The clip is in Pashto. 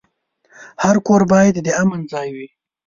هر کور باید د امن ځای وي.